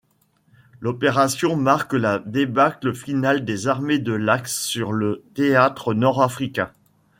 L'opération marque la débâcle finale des armées de l'Axe sur le théâtre nord-africain.